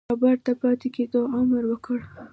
رابرټ د پاتې کېدو امر وکړ.